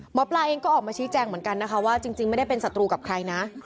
หมอปลาเองก็ออกมาชี้แจงเหมือนกันนะคะว่าจริงไม่ได้เป็นศัตรูกับใครนะ